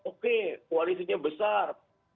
oke kualisinya besar